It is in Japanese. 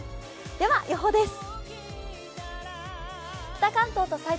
では予報です。